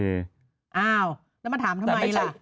เอ้าจะมาถามทำไมละ